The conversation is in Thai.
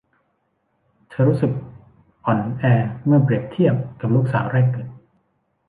เธอรู้สึกอ่อนแอเมื่อเปรียบเทียบกับลูกสาวแรกเกิด